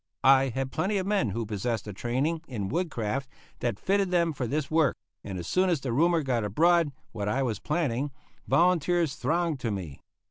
I had plenty of men who possessed a training in woodcraft that fitted them for this work; and as soon as the rumor got abroad what I was planning, volunteers thronged to me.